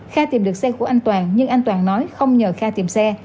kha tìm được xe của anh toàn nhưng anh toàn nói không nhờ kha tìm xe